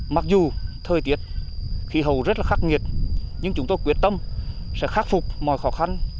mặc dù thời tiết khí hậu rất là khắc nghiệt nhưng chúng tôi quyết tâm sẽ khắc phục mọi khó khăn